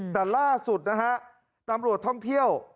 แต่ล่าสุดนะฮะตำรวจท่องเที่ยว